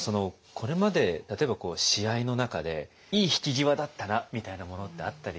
これまで例えば試合の中でいい引き際だったなみたいなものってあったり？